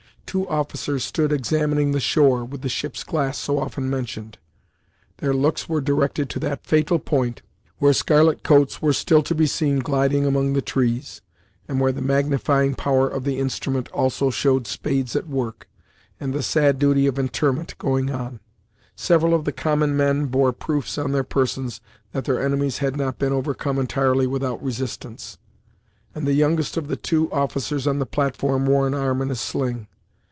Two officers stood examining the shore, with the ship's glass so often mentioned. Their looks were directed to that fatal point, where scarlet coats were still to be seen gliding among the trees, and where the magnifying power of the instrument also showed spades at work, and the sad duty of interment going on. Several of the common men bore proofs on their persons that their enemies had not been overcome entirely without resistance, and the youngest of the two officers on the platform wore an arm in a sling.